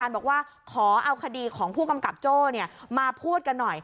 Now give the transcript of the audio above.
อาจารย์บอกว่าขอเอาคดีของผู้กำกับโจ้เนี่ยมาพูดกันหน่อย